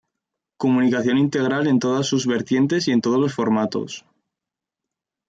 Comunicación integral en todas sus vertientes y en todos los formatos.